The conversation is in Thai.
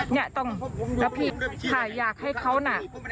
นี่ต้องรับผีค่ะอยากให้เขาน่ะ